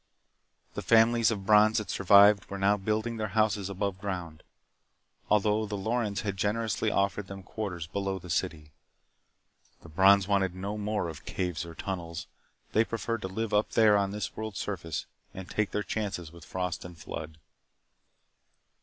The families of Brons that survived were now building their houses above ground although the Lorens had generously offered them quarters below the city. The Brons wanted no more of caves or tunnels. They preferred to live up there on this world's surface and take their chances with frost and flood.